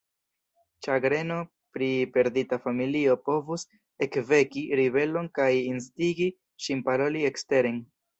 Ĉagreno pri perdita familio povus ekveki ribelon kaj instigi ŝin paroli eksteren.